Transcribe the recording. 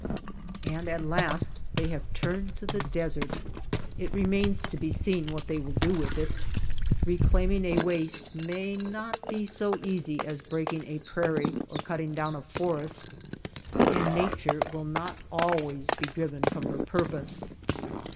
And at last they have turned to the desert ! It remains to be seen what they will do with it. Keclaiming a waste may not be so easy as break ing a prairie or cutting down a forest. And Nature will not always be driven from her purpose.